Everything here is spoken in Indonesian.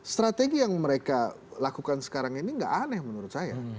strategi yang mereka lakukan sekarang ini nggak aneh menurut saya